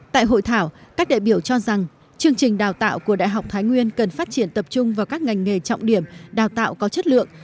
tại hội thảo các đại biểu cho rằng chương trình đào tạo của đại học thái nguyên cần phát triển tập trung vào các ngành nghề trọng điểm đào tạo có chất lượng